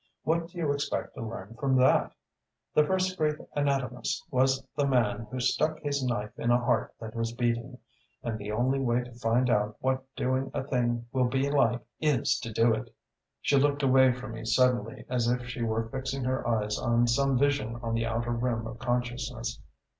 What do you expect to learn from that? The first great anatomist was the man who stuck his knife in a heart that was beating; and the only way to find out what doing a thing will be like is to do it!' "She looked away from me suddenly, as if she were fixing her eyes on some vision on the outer rim of consciousness.